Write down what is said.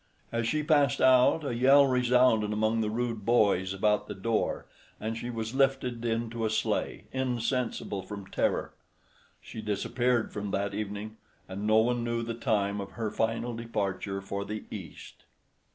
As she passed out, a yell resounded among the rude boys about the door, and she was lifted into a sleigh, insensible from terror. She disappeared from that evening, and no one knew the time of her final departure for "the east."